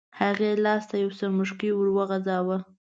هغې لاس ته یو څرمښکۍ وغورځاوه.